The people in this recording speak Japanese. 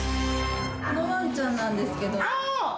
このワンちゃんなんですけど。